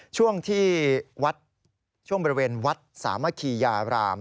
ช่วงที่วัดช่วงบริเวณวัดสามัคคียาราม